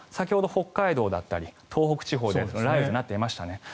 北海道だったり東北地方で雷雨となっていましたね。